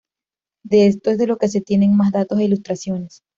De esto es de lo que se tienen más datos e ilustraciones.